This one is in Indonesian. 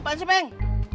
pak ancik peng